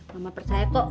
mama percaya kok